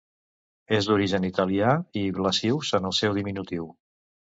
És d'origen italià i Blasius és el seu diminutiu.